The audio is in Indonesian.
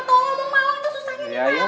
ngomong mau itu susahnya